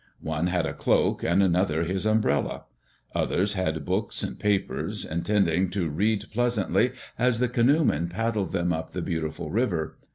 One had a cloak, and another his umbrella. Others had books and papers, intending to read pleasantly as the canoemen paddled them up the beautiful river.